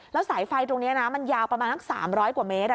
แล้วสายไฟตรงเนี้ยนะมันยาวประมาลทั้งสามร้อยกว่าเมตต์